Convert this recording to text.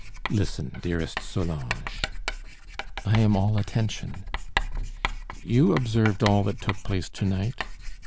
"Listen, dearest Solange." "I am all attention." "You observed all that took place to night?"